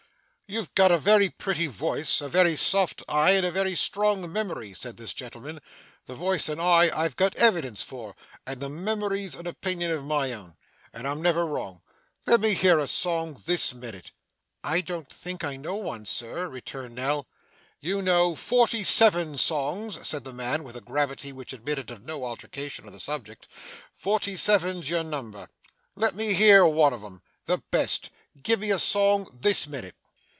'You've got a very pretty voice, a very soft eye, and a very strong memory,' said this gentleman; 'the voice and eye I've got evidence for, and the memory's an opinion of my own. And I'm never wrong. Let me hear a song this minute.' 'I don't think I know one, sir,' returned Nell. 'You know forty seven songs,' said the man, with a gravity which admitted of no altercation on the subject. 'Forty seven's your number. Let me hear one of 'em the best. Give me a song this minute.